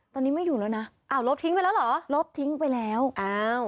ตอนนี้ไม่อยู่แล้วนะอ้าวลบทิ้งไปแล้วเหรอลบทิ้งไปแล้วอ้าว